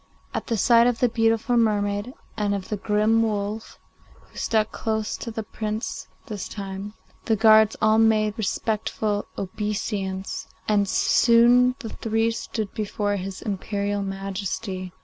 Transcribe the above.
At the sight of the beautiful mermaid and of the grim wolf, who stuck close to the Prince this time, the guards all made respectful obeisance, and soon the three stood before his Imperial Majesty.